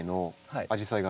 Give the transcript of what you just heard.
はい。